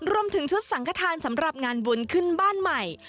รวมถึงชุดสังขทานสำหรับงานบุญขึ้นบ้านใหม่